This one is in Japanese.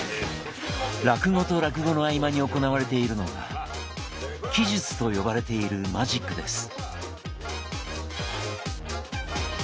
落語と落語の合間に行われているのが奇術と呼ばれているマジックです。